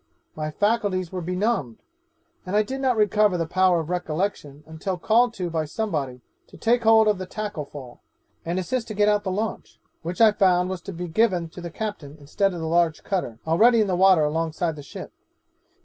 My faculties were benumbed, and I did not recover the power of recollection until called to by somebody to take hold of the tackle fall, and assist to get out the launch, which I found was to be given to the captain instead of the large cutter, already in the water alongside the ship.